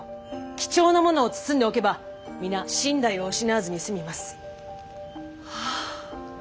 貴重なものを包んでおけば皆身代を失わずに済みます！